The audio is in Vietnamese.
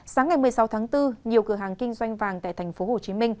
sáng ngày một mươi sáu tháng bốn nhiều cửa hàng kinh doanh vàng tại tp hcm